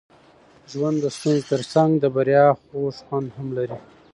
ژوند د ستونزو ترڅنګ د بریا خوږ خوند هم لري.